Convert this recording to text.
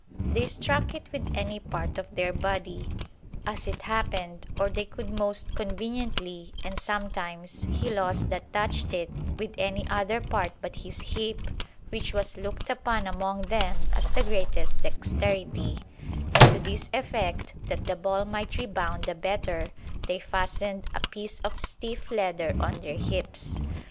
They struck it with any part of their body, as it hapned, or they could most conveniently; and sometimes he lost that touched it with any other part but his hip, which was look'd upon among them as the greatest dexterity; and to this effect, that the ball might rebound the better, they fastened a piece of stiff leather on their hips.